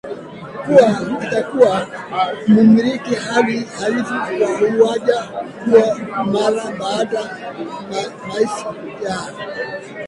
kuwa itakuwa mumliki halali wa uwanja huo mara baada mashi ya